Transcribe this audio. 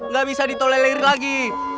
gak bisa ditolelir lagi